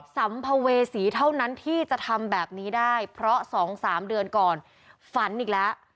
สัมภเวษีเท่านั้นที่จะทำแบบนี้ได้เพราะ๒๓เดือนก่อนฝันอีกแล้ว